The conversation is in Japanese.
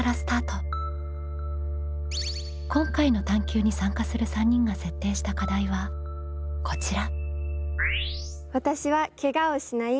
今回の探究に参加する３人が設定した課題はこちら。